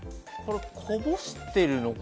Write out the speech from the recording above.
こぼしてるのか。